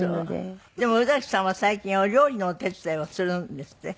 でも宇崎さんは最近お料理のお手伝いをするんですって？